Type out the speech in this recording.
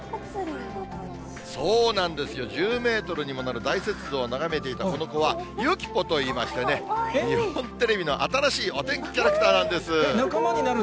そうなんですよ、１０メートルにもなる大雪像を眺めていたこの子は、ゆきポといいましてね、日本テレビの新しいお天気キャラクターな仲間になるの？